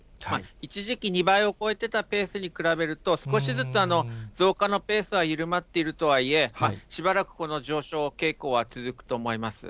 一時期２倍を超えてたペースに比べると、少しずつ増加のペースは緩まっているとはいえ、しばらくこの上昇傾向は続くと思います。